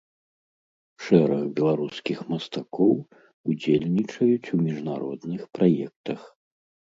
Шэраг беларускіх мастакоў удзельнічаюць у міжнародных праектах.